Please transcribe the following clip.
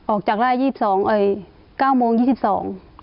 ออกจากร่าย๒๒เอ่ย๙โมง๒๒